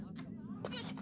よいしょ。